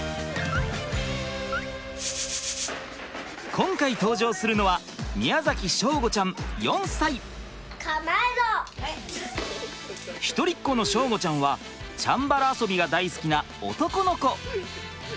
今回登場するのは一人っ子の祥吾ちゃんはチャンバラ遊びが大好きな男の子。